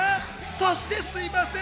そして、すみません。